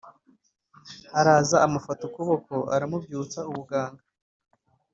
Araza Amufata Ukuboko Aramubyutsa Ubuganga